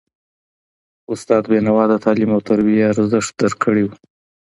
استاد بینوا د تعلیم او تربیې ارزښت درک کړی و.